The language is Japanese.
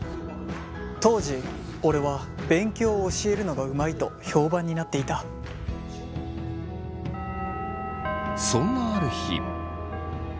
当時俺は勉強を教えるのがうまいと評判になっていたそんなある日。